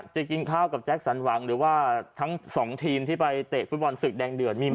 กินข้าวกับแจ็คสันหวังหรือว่าทั้งสองทีมที่ไปเตะฟุตบอลศึกแดงเดือดมีไหม